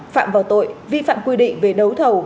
phạm vào tội vi phạm quy định về đấu thầu